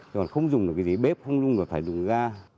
còn không dùng được cái gì bếp không dùng được phải đụng ra